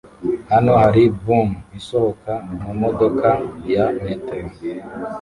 Hano hari bum isohoka mumodoka ya metero